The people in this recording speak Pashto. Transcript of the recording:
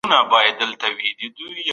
دا مثال د فکري اصلاحاتو ته لارښوونه کوي.